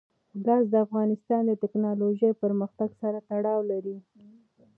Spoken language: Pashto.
ګاز د افغانستان د تکنالوژۍ پرمختګ سره تړاو لري.